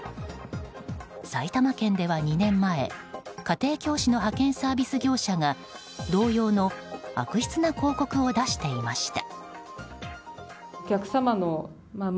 埼玉県では２年前家庭教師の派遣サービス業者が同様の悪質な広告を出していました。